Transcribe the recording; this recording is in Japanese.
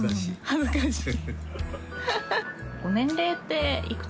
恥ずかしい。